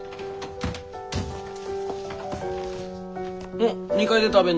おっ２階で食べんのか？